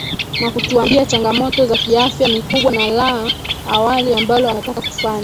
na kutuambia changamoto za kiafya ni kubwa na la awali ambalo anataka kufanya